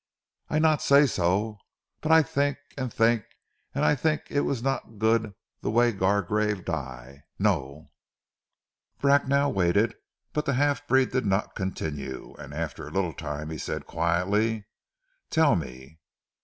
"I not say so! But I tink an' tink, an' I tink it was not good ze way Gargrave die. Non!" Bracknell waited, but the half breed did not continue, and after a little time he said quietly, "Tell me."